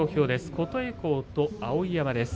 琴恵光と碧山です。